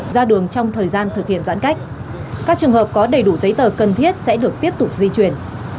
các trường hợp có đầy đủ giấy tờ cần thiết sẽ được tiếp tục di chuyển